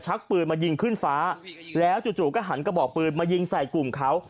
ปืนมายิงขึ้นฟ้าแล้วจู่ก็หันกระบอกปืนมายิงใส่กลุ่มเขา